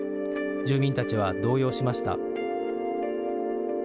住民たちは動揺しました。